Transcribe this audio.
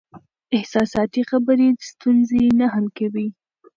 احساساتي خبرې ستونزې نه حل کوي.